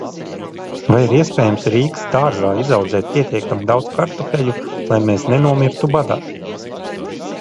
Vai ir iespējams Rīgas dārzā izaudzēt pietiekami daudz kartupeļu, lai mēs nenomirtu badā?